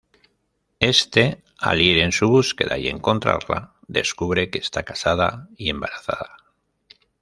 Éste, al ir en su búsqueda y encontrarla, descubre que está casada y embarazada.